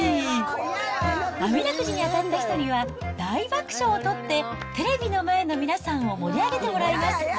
あみだくじに当たった人には、大爆笑を取ってテレビの前の皆さんを盛り上げてもらいます。